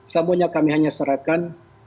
semuanya kami hanya serahkan